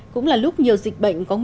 cũng là lúc nhiều dịch bệnh